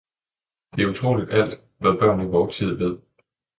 Det er utroligt alt, hvad børn i vor tid ved!